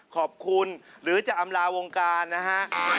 ขอบคุณหรือจะอำลาวงการนะฮะ